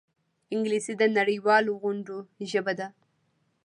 انګلیسي د نړيوالو غونډو ژبه ده